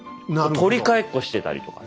取り替えっこしてたりとかね。